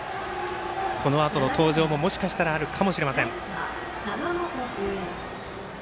このあとの登場も、もしかしたらあるかもしれません。